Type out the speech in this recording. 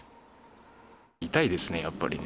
痛いですね、やっぱりね。